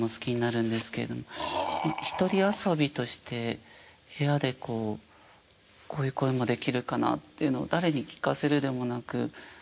一人遊びとして部屋でこうこういう声もできるかなっていうのを誰に聞かせるでもなくずっと小学生でやっていたというのが。